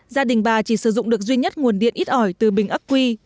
gia đình bà chỉ sử dụng được duy nhất nguồn điện ít ỏi từ bình ấp quy